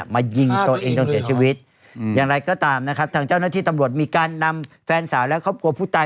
มายิงตัวเองจนเสียชีวิตอย่างไรก็ตามนะครับทางเจ้าหน้าที่ตำรวจมีการนำแฟนสาวและครอบครัวผู้ตาย